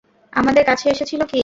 আমাদের কাছে এসেছিল কী?